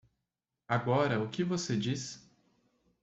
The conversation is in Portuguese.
Agora o que você diz?